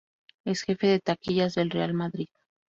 Es jefe de taquillas del Real Madrid.